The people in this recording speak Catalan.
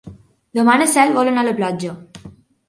Demà na Cel vol anar a la platja.